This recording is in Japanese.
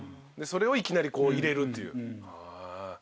それをいきなり入れるという。